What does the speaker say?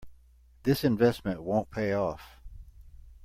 This investment won't pay off.